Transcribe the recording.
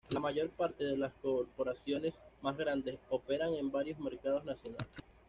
La mayor parte de las corporaciones más grandes operan en varios mercados nacionales.